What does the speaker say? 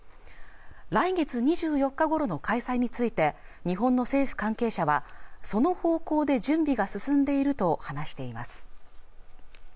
来月２４日ごろの開催について日本の政府関係者はその方向で準備が進んでいると話しています